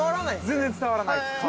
◆全然伝わらない。